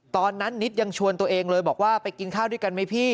ตอนนั้นนิดยังชวนตัวเองเลยบอกว่าไปกินข้าวด้วยกันไหมพี่